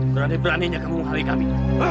berani beraninya kamu menghalangi kami